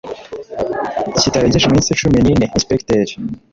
kitarengeje iminsi cumi n ine Ensipegiteri